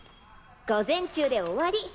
午前中で終わり。